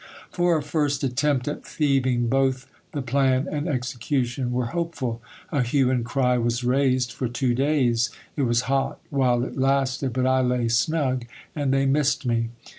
For a first attempt at thieving both the plan and execution were hopeful. A hue and cry was raised for two days, it was hot while it lasted, but I lay snug, and they missed me.